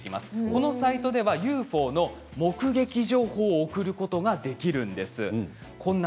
このサイトではＵＦＯの目撃情報を送ることができるんです。